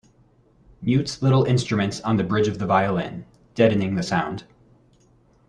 Mutes little instruments on the bridge of the violin, deadening the sound.